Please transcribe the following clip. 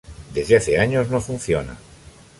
Desde hace años no funciona.